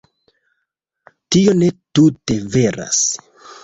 Tio ne tute veras.